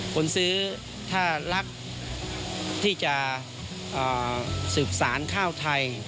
คนซื้อถ้ารักที่จะสืบสารข้าวไทย